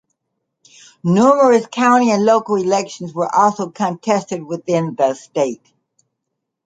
Numerous county and local elections were also contested within the state.